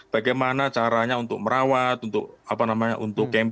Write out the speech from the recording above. bagaimana caranya untuk merawat untuk campaign untuk keselamatan itu bagaimana